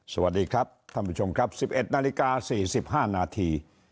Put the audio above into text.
สวัสดีครับท่านผู้ชมครับ๑๑นาฬิกา๔๕นาที